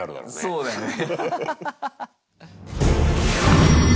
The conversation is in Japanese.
そうだよね。